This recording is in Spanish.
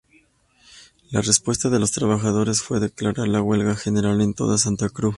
La respuesta de los trabajadores fue declarar la huelga general en toda Santa Cruz.